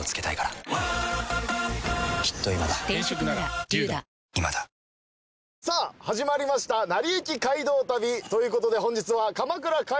サントリー「ＶＡＲＯＮ」さあ始まりました『なりゆき街道旅』ということで本日は。